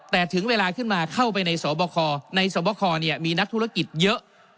แต่ถึงเวลาขึ้นมาเข้าไปในสบคในสวบคมีนักธุรกิจเยอะ